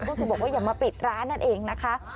ก็คือบอกว่าอย่ามาปิดร้านนั่นเองนะคะ